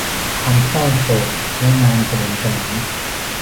ความเศร้าโศกและงานเฉลิมฉลอง